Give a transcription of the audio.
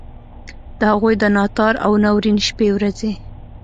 د هغوی د ناتار او ناورین شپې ورځي.